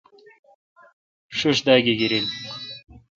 ݭݭ دا گیگیر۔